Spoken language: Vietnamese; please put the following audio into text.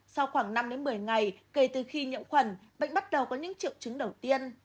sau khoảng năm đến một mươi ngày kể từ khi nhiễm khuẩn bệnh bắt đầu có những triệu chứng đầu tiên